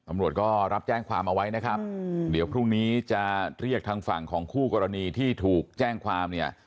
ตำรวจก็รับแจ้งความเอาไว้นะครับเดี๋ยวพรุ่งนี้จะเรียกทางฝั่งของคู่กรณีที่ถูกแจ้งความเนี่ย